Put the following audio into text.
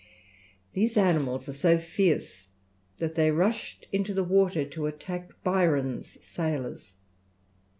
These animals are so fierce that they rushed into the water to attack Byron's sailors.